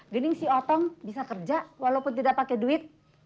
gening si otong bisa kerja walaupun tidak pakai duit